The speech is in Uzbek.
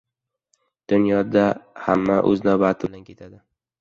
• Dunyoda hamma o‘z navbati bilan ketadi.